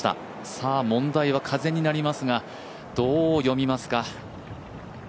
さあ問題は風になりますがどう読みますか。